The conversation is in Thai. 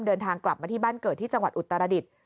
เดินทางกลับมาที่บ้านเกิดที่จังหวัดอุตรดิษฐ์